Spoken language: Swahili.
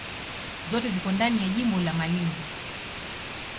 Zote ziko ndani ya jimbo la Malindi.